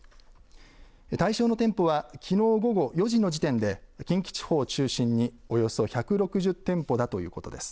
対象の店舗はきのう午後４時の時点で近畿地方を中心におよそ１６０店舗だということです。